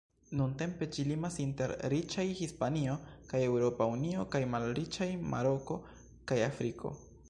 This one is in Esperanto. Nuntempe, ĝi limas inter riĉaj Hispanio kaj Eŭropa Unio kaj malriĉaj Maroko kaj Afriko.